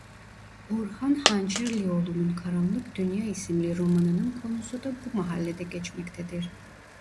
Orhan Hançerlioğlu'nun Karanlık Dünya isimli romanının konusu da bu mahallede geçmektedir.